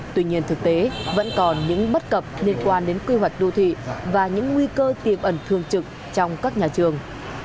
tuy nhiên thực tế vẫn còn những bất cập liên quan đến quy hoạch đô thị và những nguy cơ tiềm ẩn thường trực trong các nhà trường